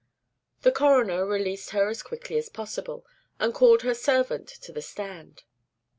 The coroner released her as quickly as possible, and called her servant to the stand.